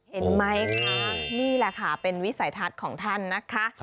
เห็นไหมค่ะนี่แหละค่ะเป็นวิสัยทัศน์ของท่านนะคะ